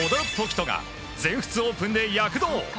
人が全仏オープンで躍動。